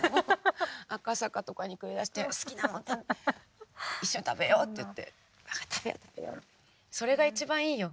赤坂とかに繰り出して好きなもの一緒に食べようって言って食べよう食べようってそれが一番いいよ。